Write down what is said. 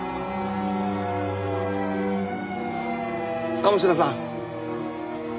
鴨志田さん。